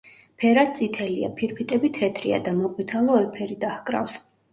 ფერად წითელია, ფირფიტები თეთრია და მოყვითალო ელფერი დაჰკრავს.